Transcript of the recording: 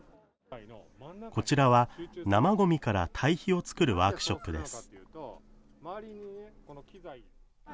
こちらは、生ごみから堆肥を作るワークショップです。